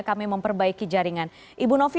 kami memperbaiki jaringan ibu novi